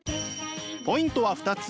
ポイントは２つ。